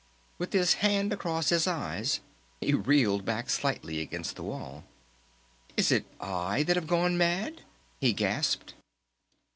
With his hand across his eyes he reeled back slightly against the wall. "It is I that have gone mad!" he gasped.